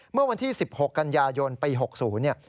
เมื่อวันที่๑๖กันยายนปี๖๐เนี่ย